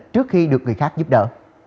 trước khi được người khác giúp đỡ